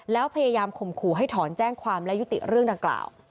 แล้วพยายามข่มขู่ให้ถอนแจ้งความและยุติเรื่องดังกล่าว